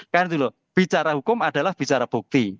kan itu loh bicara hukum adalah bicara bukti